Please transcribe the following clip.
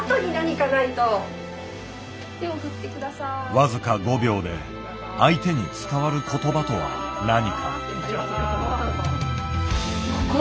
僅か５秒で相手に伝わる言葉とは何か。